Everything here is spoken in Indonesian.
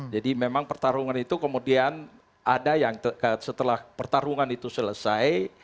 jadi memang pertarungan itu kemudian ada yang setelah pertarungan itu selesai